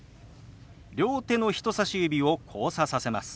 両手の人さし指を交差させます。